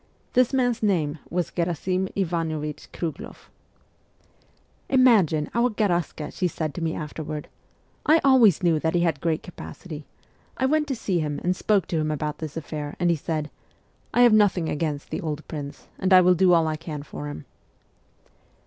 This man's name was Gherasim Ivanovich Krugl6ff. CHILDHOOD 69 ' Imagine, our Garaska !' she said to me afterward. ' I always knew that he had great capacity. I went to see him, and spoke to him about this affair, and he said, " I have nothing against the old prince, and I will do all I can for him."